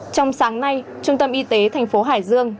trong sáng nay trung tâm y tế thành phố hải dương